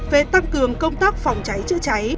về tăng cường công tác phòng cháy chữa cháy